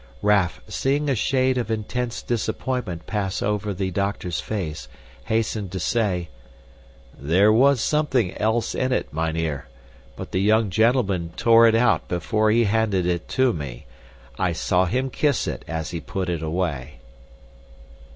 Raff, seeing a shade of intense disappointment pass over the doctor's face, hastened to say, "There was something else in it, mynheer, but the young gentleman tore it out before he handed it to me. I saw him kiss it as he put it away."